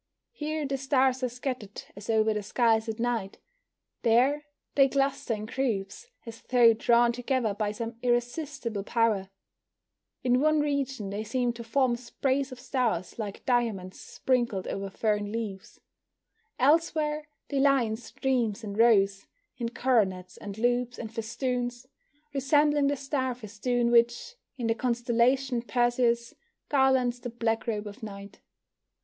Here the stars are scattered as over the skies at night; there they cluster in groups, as though drawn together by some irresistible power; in one region they seem to form sprays of stars like diamonds sprinkled over fern leaves; elsewhere they lie in streams and rows, in coronets and loops and festoons, resembling the star festoon which, in the constellation Perseus, garlands the black robe of night.